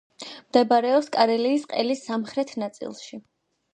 მდებარეობს კარელიის ყელის სამხრეთ ნაწილში.